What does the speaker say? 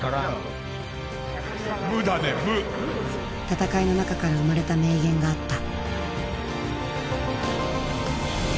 戦いの中から生まれた名言があった。